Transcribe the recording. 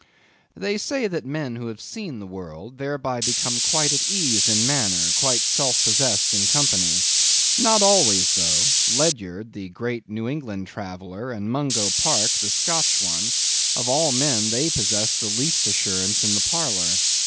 They say that men who have seen the world, thereby become quite at ease in manner, quite self possessed in company. Not always, though: Ledyard, the great New England traveller, and Mungo Park, the Scotch one; of all men, they possessed the least assurance in the parlor.